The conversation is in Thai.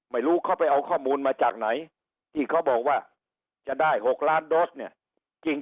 ไม่รู้เขาไปเอาข้อมูลมาจากไหนที่เขาบอกว่าจะได้๖ล้านโดสเนี่ยจริง